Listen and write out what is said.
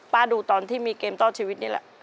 ดูตอนที่มีเกมต่อชีวิตนี่แหละ